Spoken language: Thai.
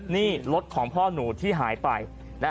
นี่รถของพ่อหนูที่หายไป